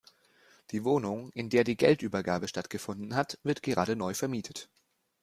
Die Wohnung, in der die Geldübergabe stattgefunden hat, wird gerade neu vermietet.